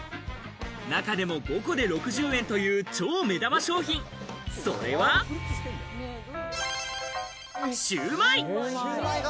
中でも５個で６０円という超目玉商品、それはしゅうまい。